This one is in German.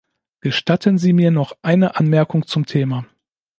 Gestatten Sie mir noch eine Anmerkung zum Thema .